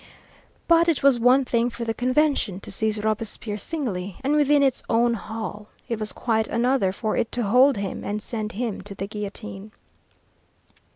But it was one thing for the Convention to seize Robespierre singly, and within its own hall; it was quite another for it to hold him and send him to the guillotine.